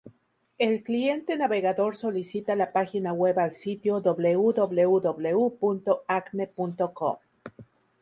El cliente navegador solicita la página web al sitio www.acme.com.